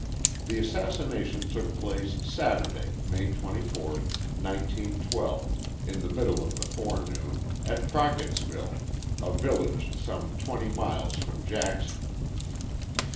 The assassination took place Saturday, May 4th, 1912, in the middle of the forenoon, at Crocketsville, a village some twenty miles from Jackson.